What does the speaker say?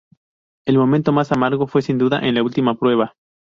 El momento más amargo fue sin duda, en la última prueba.